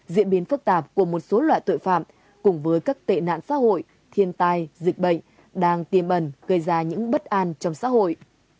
diễn biến phức tạp của một số loại tội phạm cùng với các tệ nạn xã hội thiên tai dịch bệnh đang tiềm ẩn gây ra những bất an trong xã hội